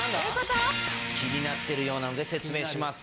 気になってるようなので説明します。